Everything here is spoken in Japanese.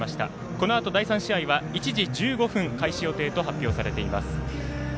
このあと第３試合は１時１５分開始予定と発表されています。